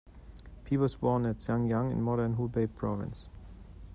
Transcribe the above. Pi was born at Xiangyang, in modern Hubei Province.